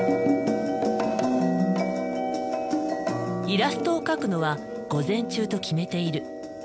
イラストを描くのは午前中と決めている。